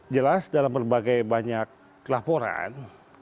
jelas dalam berbagai banyak laporan